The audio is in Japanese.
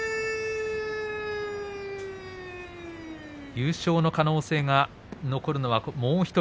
優勝の可能性が残るのはもう１人。